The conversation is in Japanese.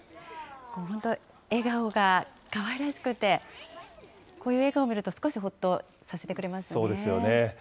本当、笑顔がかわいらしくて、こういう笑顔見ると、少しほっとさそうですよね。